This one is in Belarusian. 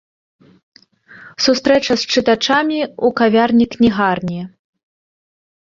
Сустрэча з чытачамі ў кавярні-кнігарні.